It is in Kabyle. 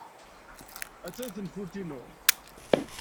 Attan tenfult-inu.